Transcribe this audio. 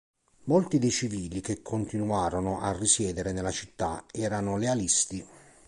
Molti dei civili che continuarono a risiedere nella città erano lealisti.